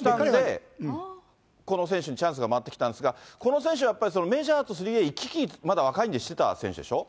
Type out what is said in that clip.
けがをしたんで、この選手にチャンスが回ってきたんですが、この選手はやっぱりメジャーと３Ａ、行き来、してたんでしょ。